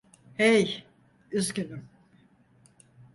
Hey, üzgünüm.